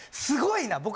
すごいな。